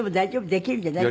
できるんじゃない。